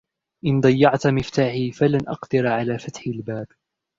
إن ضيعت مفتاحي ، فلن أقدر على فتح الباب.